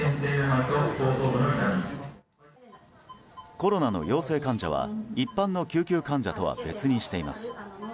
コロナの陽性患者は一般の救急患者とは別にしています。